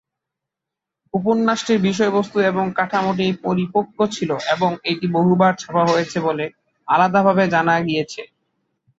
উপন্যাসটির বিষয়বস্তু এবং কাঠামোটি পরিপক্ব ছিল এবং এটি বহুবার ছাপা হয়েছে বলে আলাদাভাবে জানা গিয়েছে।